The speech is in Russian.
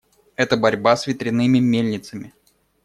Это борьба с ветряными мельницами.